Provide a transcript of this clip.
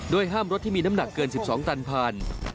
ห้ามรถที่มีน้ำหนักเกิน๑๒ตันผ่าน